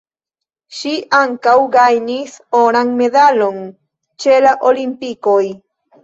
Ŝi ankaŭ gajnis oran medalon ĉe la Olimpikoj.